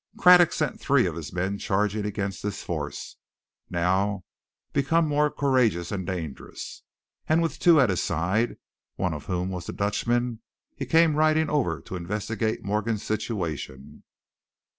Craddock sent three of his men charging against this force, now become more courageous and dangerous, and with two at his side, one of whom was the Dutchman, he came riding over to investigate Morgan's situation.